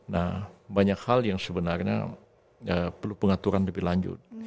nah banyak hal yang sebenarnya perlu pengaturan lebih lanjut